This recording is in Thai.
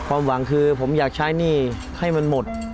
ความหวังคือผมอยากใช้หนี้ให้มันหมด